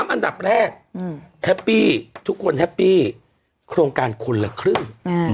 อันดับแรกแฮปปี้ทุกคนแฮปปี้โครงการคนละครึ่ง